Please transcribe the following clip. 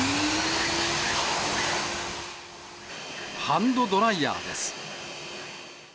ハンドドライヤーです。